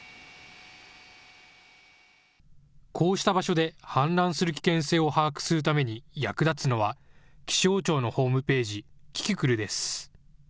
こうした場所で氾濫する危険性を把握するために役立つのは気象庁のホームページ、キキクルです。